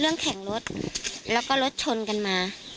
เรื่องแข่งรถแล้วก็รถชนกันมา